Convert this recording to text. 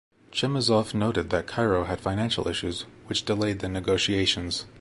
Chemezov noted that Cairo had financial issues which delayed the negotiations.